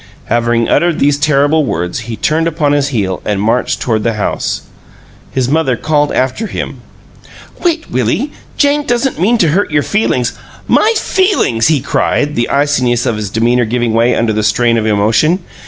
Having uttered these terrible words, he turned upon his heel and marched toward the house. His mother called after him: "Wait, Willie. Jane doesn't mean to hurt your feelings " "My feelings!" he cried, the iciness of his demeanor giving way under the strain of emotion.